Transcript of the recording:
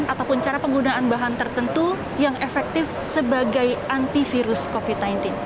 ataupun cara penggunaan bahan tertentu yang efektif sebagai antivirus covid sembilan belas